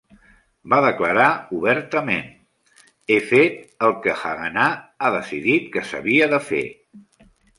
Va declarar obertament: "He fet el que Haganà ha decidit que s'havia de fer".